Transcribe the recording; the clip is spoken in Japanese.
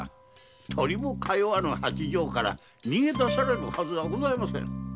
鳥も通わぬ八丈から逃げ出せるはずがありません。